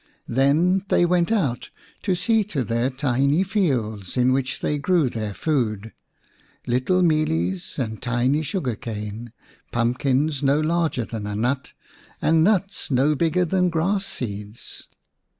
Then they went out to see to their tiny fields in which they grew their food little mealies and tiny sugar cane, pumpkins no larger than a nut, and nuts no bigger than grass seeds.